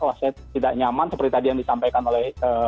kalau saya tidak nyaman seperti tadi yang disampaikan oleh